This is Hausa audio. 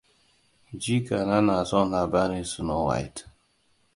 Jikana na son labarin Snow White.